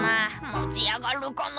「持ち上がるかな？」